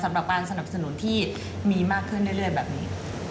สำหรับการสนับสนุนที่มีมากขึ้นเรื่อยแบบนี้